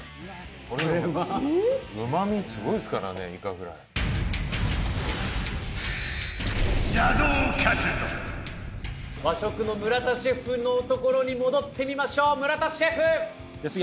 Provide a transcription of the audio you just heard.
これはうまみすごいっすからねいかフライ和食の村田シェフのところに戻ってみましょう村田シェフ！